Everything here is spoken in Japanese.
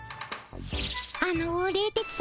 あの冷徹斎さま